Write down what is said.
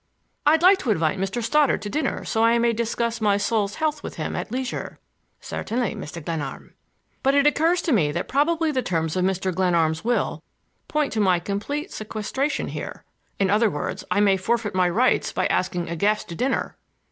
"I'd like to invite Mr. Stoddard to dinner so I may discuss my soul's health with him at leisure." "Certainly, Mr. Glenarm." "But it occurs to me that probably the terms of Mr. Glenarm's will point to my complete sequestration here. In other words, I may forfeit my rights by asking a guest to dinner."